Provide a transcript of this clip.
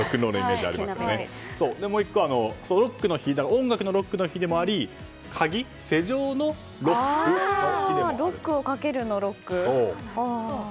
もう１個は音楽のロックの日でもあり鍵、施錠のロックをかけるのロック？